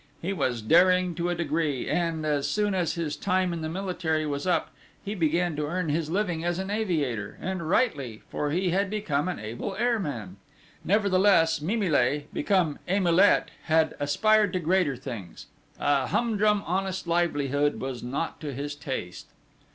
He was daring to a degree, and, as soon as his time in the army was up, he began to earn his living as an aviator, and rightly, for he had become an able airman. Nevertheless, Mimile become Emilet, had aspired to greater things: a humdrum honest livelihood was not to his taste!